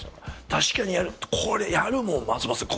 「確かにこれやるもん松本さん